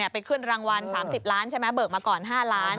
ไปขึ้นรางวัล๓๐ล้านใช่ไหมเบิกมาก่อน๕ล้าน